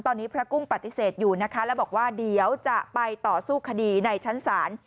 ตอนนี้พระกุ้งปฏิเสธอยู่นะคะแล้วบอกว่าเดี๋ยวจะไปต่อสู้คดีในชั้นศาล